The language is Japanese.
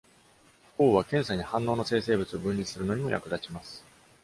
降雨は、検査に反応の生成物を分離するのにも役立ちます。